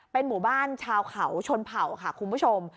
เป็นหมู่บ้านชาวเขาชนเผ่าค่ะคุณผู้ชม